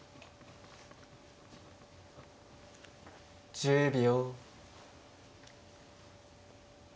１０秒。